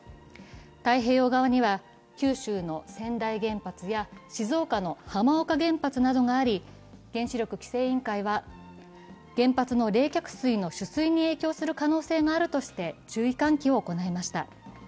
太平洋側には九州の川内原発や静岡の浜岡原発などがあり原子力規制委員会は、原発の冷却水の取水に影響する可能性があるとして注意喚起を行いました。